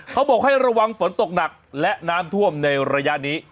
เขาบอกให้ระวังฝนตกหนักและน้ำท่วมในระยะนี้